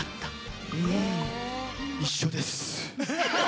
一緒です。